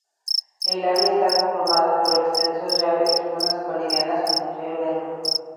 El área está conformada por extensos valles algunos colindantes con el Río Lerma.